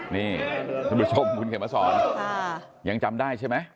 นี่ท่านผู้ชมคุณเขียนมาสอนยังจำได้ใช่ไหม